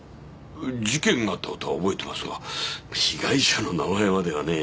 事件があったことは覚えてますが被害者の名前まではねぇ。